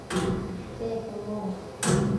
Féach an leon!